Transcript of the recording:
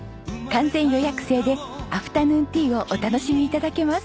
完全予約制でアフタヌーンティーをお楽しみ頂けます。